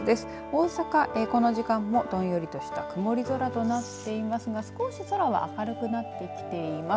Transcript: この時間もどんよりとした曇り空となっていますが少し空は明るくなってきています。